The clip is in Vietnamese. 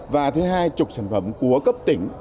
và thứ hai trục sản phẩm của cấp tỉnh